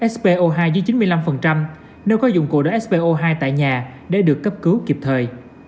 spo hai dưới chín mươi năm nếu có dụng cụ để spo hai tại nhà để được cấp cứu kịp thời